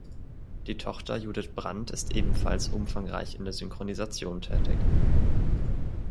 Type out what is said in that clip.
Die Tochter Judith Brandt ist ebenfalls umfangreich in der Synchronisation tätig.